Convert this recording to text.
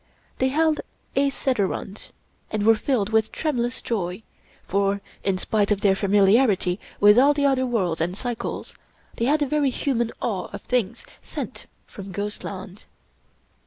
They held a sederunt, and were filled with tremulous joy, for, in spite of their familiarity with all the other worlds and cycles, they had a very human awe of things sent from ghostland.